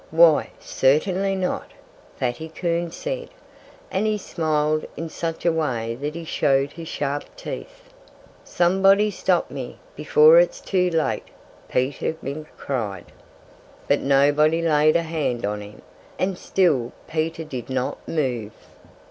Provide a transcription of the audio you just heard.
"Why, certainly not!" Fatty Coon said. And he smiled in such a way that he showed his sharp teeth. "Somebody stop me, before it's too late!" Peter Mink cried. But nobody laid a hand on him. And still Peter did not move.